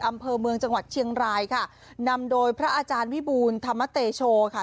อำเภอเมืองจังหวัดเชียงรายค่ะนำโดยพระอาจารย์วิบูรณ์ธรรมเตโชค่ะ